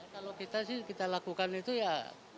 kalau kita sih kita lakukan itu ya